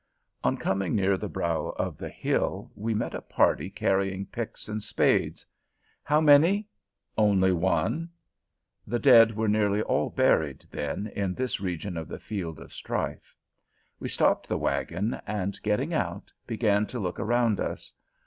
On coming near the brow of the hill, we met a party carrying picks and spades. "How many?" "Only one." The dead were nearly all buried, then, in this region of the field of strife. We stopped the wagon, and, getting out, began to look around us.